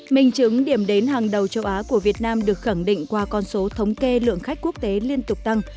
mình chứng điểm đến hàng đầu châu á của việt nam được khẳng định qua con số thống kê lượng khách quốc tế liên tục tăng